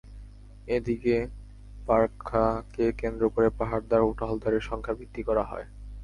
এদিকে পরিখাকে কেন্দ্র করে পাহারাদার ও টহলদারদের সংখ্যা বৃদ্ধি করা হয়।